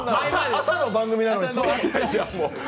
朝の番組なのにそんな。